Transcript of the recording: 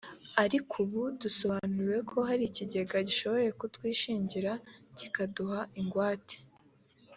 ariko ubu dusobanuriwe ko hari ikigega gishobora kutwishingira kikaduha ingwate